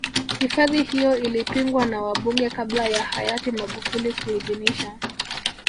hifadhi hiyo ilipingwa na wabunge kabla ya hayati magufuli kuiidhinisha